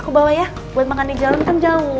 aku bawa ya buat makan di jalan kan jauh